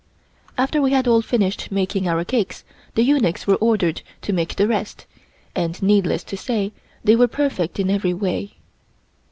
After we had all finished making our cakes, the eunuchs were ordered to make the rest, and needless to say they were perfect in every way.